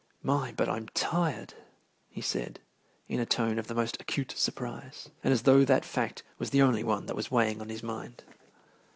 "My, but I'm tired!" he said, in a tone of the most acute surprise, and as though that fact was the only one that was weighing on his mind.